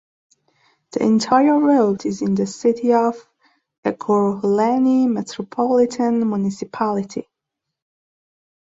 The entire route is in the City of Ekurhuleni Metropolitan Municipality.